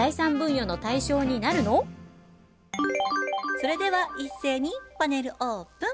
それでは一斉にパネルオープン。